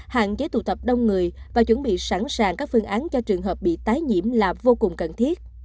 hạn chế tụ tập đông người và chuẩn bị sẵn sàng các phương án cho trường hợp bị tái nhiễm là vô cùng cần thiết